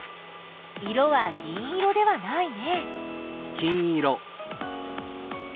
色は銀色ではないね。